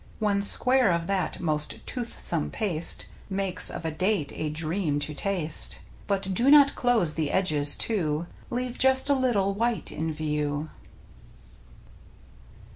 One square of that most toothsome paste Makes of a date a dream to taste ; But do not close the edges to. Leave just a little white in view.